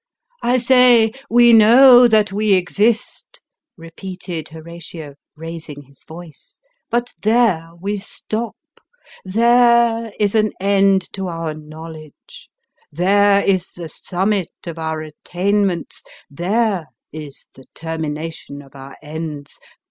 " I say, we know that we exist," repeated Horatio, raising his voice, " but there we stop ; there, is an end to our knowledge ; there, is the summit of our attainments ; there, is the termination of our ends.